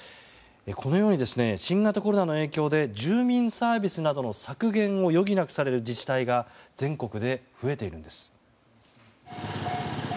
このように新型コロナの影響で住民サービスなどの削減を余儀なくされる自治体が全国で増えているんです。